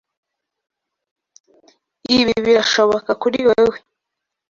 Ibi birashoboka kuri wewe.